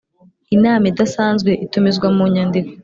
inama idasanzwe itumizwa mu nyandiko